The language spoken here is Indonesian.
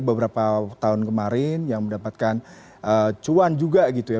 beberapa tahun kemarin yang mendapatkan cuan juga gitu ya